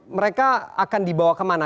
mereka akan dibawa kemana